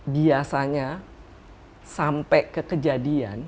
biasanya sampai ke kejadian